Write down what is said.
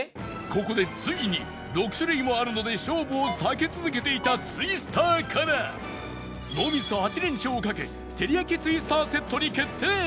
ここでついに６種類もあるので勝負を避け続けていたツイスターからノーミス８連勝をかけてりやきツイスターセットに決定！